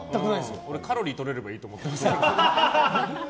カロリーとれればいいと思ってますから。